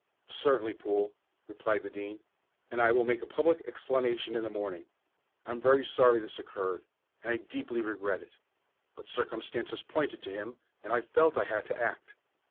"Certainly, Poole," replied the Dean, "and I will make a public explanation in the morning. I am very sorry this occurred, and I deeply regret it. But circumstances pointed to him, and I felt I had to act.